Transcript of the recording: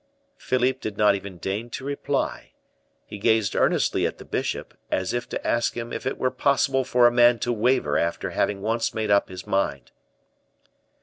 Philippe did not even deign to reply. He gazed earnestly at the bishop, as if to ask him if it were possible for a man to waver after having once made up his mind.